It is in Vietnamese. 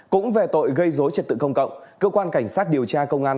cũng về tội gây dối trật tự công cộng cơ quan cảnh sát điều tra công an